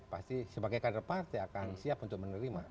pasti sebagai kader partai akan siap untuk menerima